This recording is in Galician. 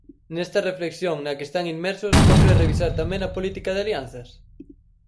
Nesta reflexión na que están inmersos cómpre revisar tamén a política de alianzas?